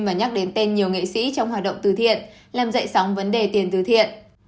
và nhắc đến tên nhiều nghệ sĩ trong hoạt động từ thiện làm dậy sóng vấn đề tiền từ thiện